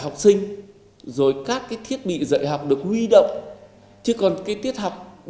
cũng theo chuyên gia